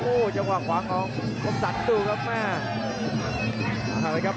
โอ้จังหว่างขวางของคมสัตว์ดูครับ